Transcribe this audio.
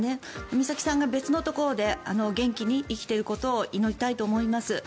美咲さんが別のところで元気に生きていることを祈りたいと思います。